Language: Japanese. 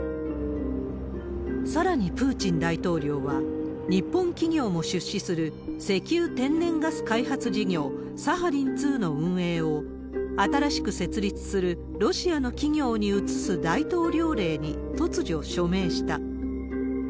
さらにプーチン大統領は、日本企業も出資する石油・天然ガス開発事業、サハリン２の運営を、新しく設立するロシアの企業に移す大統領令に突如、署名した。